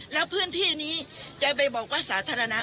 แล้วพื้นที่นี้จะไปบอกว่าสาธารณะ